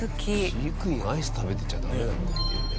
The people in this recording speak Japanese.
飼育員アイス食べてちゃダメだろっていうね。